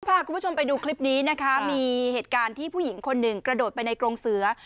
พาคุณผู้ชมไปดูคลิปนี้นะคะมีเหตุการณ์ที่ผู้หญิงคนหนึ่งกระโดดไปในกรงเสือ